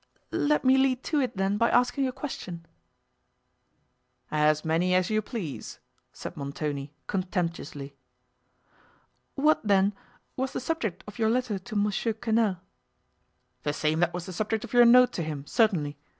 "Let me lead to it then, by asking a question." "As many as you please," said Montoni, contemptuously. "What, then, was the subject of your letter to Mons. Quesnel?" "The same that was the subject of your note to him, certainly.